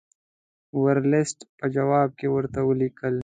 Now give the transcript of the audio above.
ورلسټ په جواب کې ورته ولیکل.